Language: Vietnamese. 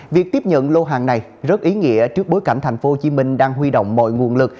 việc tiếp nhận lô hàng này rất ý nghĩa trước bối cảnh tp hcm đang huy động mọi nguồn lực